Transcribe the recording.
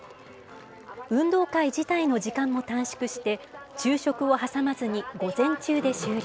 運動会自体の時間も短縮して、昼食を挟まずに午前中で終了。